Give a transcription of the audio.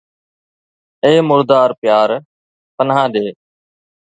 اي مردار پيار، پناهه ڏي